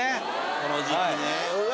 この時期ねうわ